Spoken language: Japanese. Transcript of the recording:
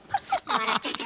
笑っちゃった。